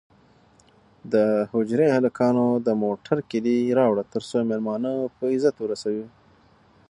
د حجرې هلکانو د موټر کیلي راوړه ترڅو مېلمانه په عزت ورسوي.